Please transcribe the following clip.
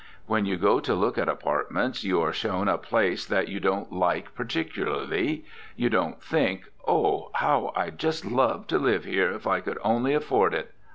When you go to look at apartments you are shown a place that you don't like particularly. You don't think, Oh, how I'd just love to live here if I could only afford it!